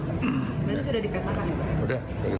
berarti sudah dipetakan ya pak